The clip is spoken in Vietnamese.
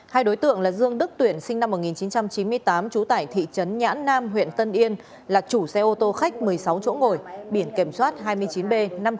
hai đối tượng là dương đức tuyển sinh năm một nghìn chín trăm chín mươi tám trú tại thị trấn nhãn nam huyện tân yên là chủ xe ô tô khách một mươi sáu chỗ ngồi biển kiểm soát hai mươi chín b năm nghìn tám trăm sáu mươi bảy